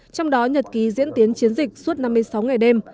trong đó nhật ký diễn tiến chiến dịch suốt năm mươi sáu ngày đêm